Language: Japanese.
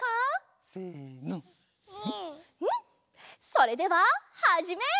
それでははじめい！